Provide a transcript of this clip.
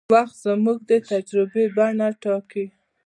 وخت زموږ د تجربې بڼه ټاکي.